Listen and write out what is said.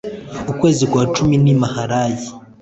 Kwezi kwa cumi ni maharayi